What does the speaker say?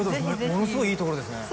ものすごいいいところですね